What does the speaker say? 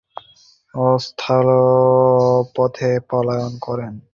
তিনি অ্যানিতা ও সহবিপ্লবীদের সঙ্গে স্থলপথে পলায়ন করেন।